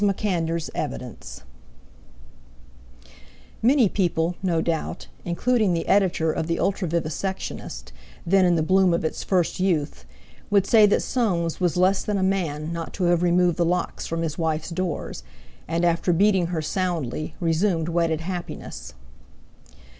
MACANDER'S EVIDENCE Many people, no doubt, including the editor of the "Ultra Vivisectionist," then in the bloom of its first youth, would say that Soames was less than a man not to have removed the locks from his wife's doors, and, after beating her soundly, resumed wedded happiness.